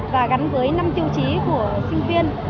và gắn với năm tiêu chí của sinh viên